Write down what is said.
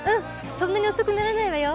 そんなに遅くならないわよ。